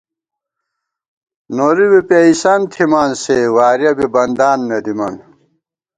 نوری بی پېئیسنت تھِمان سےوارِیَہ بی بندان نہ دِمان